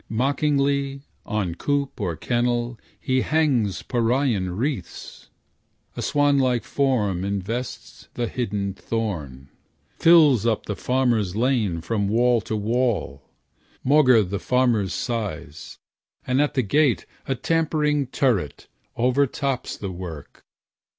Mockingly, On coop or kennel he hangs Parian wreaths; A swan like form invests the hidden thorn; Fills up the farmer's lane from wall to wall, Maugre the farmer's sighs; and at the gate A tapering turret overtops the work.